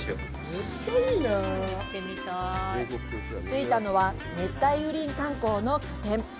着いたのは熱帯雨林観光の拠点。